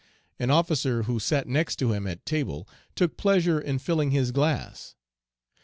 An officer who sat next him at table took pleasure in filling his glass.